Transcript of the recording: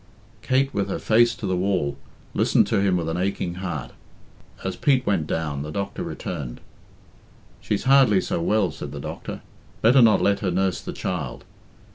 Kate, with her face to the wall, listened to him with an aching heart. As Pete went down the doctor returned. "She's hardly so well," said the doctor. "Better not let her nurse the child.